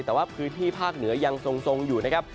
แต่ว่าพื้นที่ภาคเหนือยังทรงอยู่นะครับ